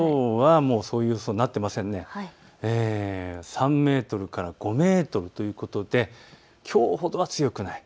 ３メートルから５メートルということで、きょうほどは強くない。